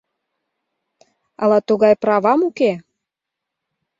Ала тугай правам уке?